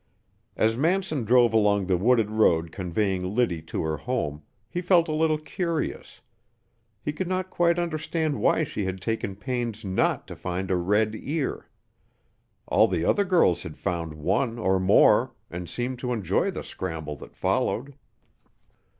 As Manson drove along the wooded road conveying Liddy to her home, he felt a little curious. He could not quite understand why she had taken pains not to find a red ear. All the other girls had found one or more, and seemed to enjoy the scramble that followed.